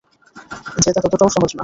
জেতা ততটাও সহজ না।